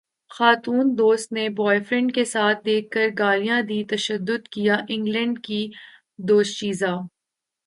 خاتون دوست نے بوائے فرینڈ کے ساتھ دیکھ کر گالیاں دیں تشدد کیا انگلینڈ کی دوشیزہ